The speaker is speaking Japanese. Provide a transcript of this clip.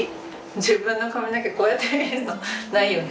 自分の髪の毛こうやって見るのないよね。